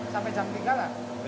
sampai jam tiga lah